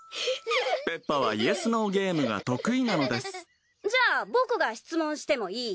ペッパはイエス・ノー・ゲームが得意なのですじゃあ僕が質問してもいい？